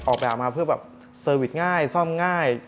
ออกไปเอามาเพื่อเซอร์วิสง่ายซ่อมง่าย